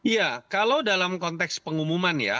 ya kalau dalam konteks pengumuman ya